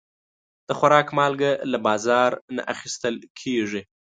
د خوراک مالګه له بازار نه اخیستل کېږي.